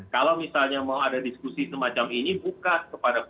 kalau misalnya mau ada diskusi semacam ini buka